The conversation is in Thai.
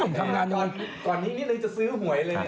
ก่อนข้างนี้นี่เลยจะซื้อหวยเลย